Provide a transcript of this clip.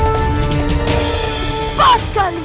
jangan menunjukkan keanehan